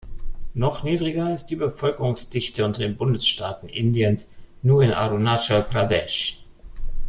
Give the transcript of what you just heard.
Noch niedriger ist die Bevölkerungsdichte unter den Bundesstaaten Indiens nur in Arunachal Pradesh.